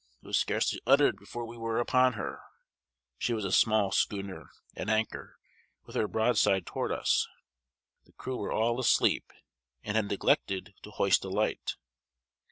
it was scarcely uttered before we were upon her. She was a small schooner, at anchor, with her broadside toward us. The crew were all asleep, and had neglected to hoist a light.